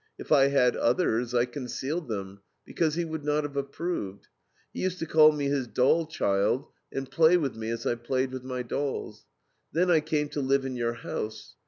If I had others I concealed them, because he would not have approved. He used to call me his doll child, and play with me as I played with my dolls. Then I came to live in your house.